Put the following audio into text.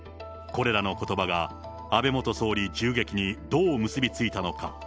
これらのことばが安倍元総理銃撃にどう結び付いたのか。